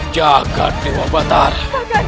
jaga dewa batara